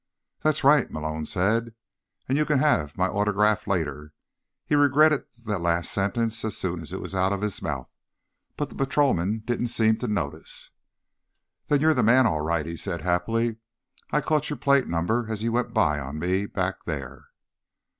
"That's right," Malone said. "And you can have my autograph later." He regretted the last sentence as soon as it was out of his mouth, but the patrolman didn't seem to notice. "Then you're the man, all right," he said happily. "I caught your plate number as you went on by me, back there."